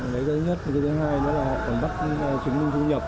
đấy là thứ nhất thứ thứ hai là họ bắt chứng minh thu nhập